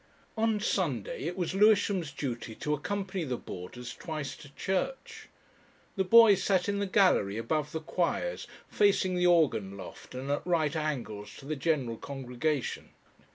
On Sunday it was Lewisham's duty to accompany the boarders twice to church. The boys sat in the gallery above the choirs facing the organ loft and at right angles to the general congregation.